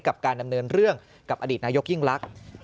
กับการดำเนินเรื่องกับอดีตนายกยิ่งลักษณ์